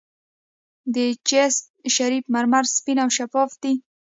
د چشت شریف مرمر سپین او شفاف دي.